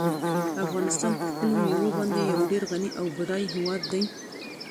افغانستان په خپلو مېوو باندې یو ډېر غني او بډای هېواد دی.